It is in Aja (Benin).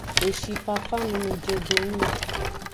Eshi fafa nunu jedo nung.